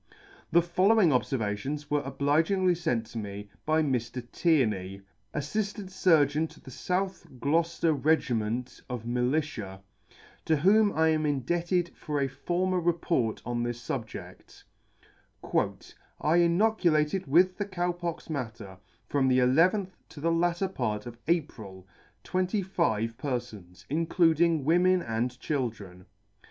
The [ i63 ] The following obfervations were obligingly fent me by Mr. Tierny, Afliftant Surgeon to the South Gloucefter Regiment of Militia, to whom I am indebted for a former Report on this fubjedt :" I inoculated with the Cow pox matter, from the nth to the latter part of April, twenty five perfons, including women and children.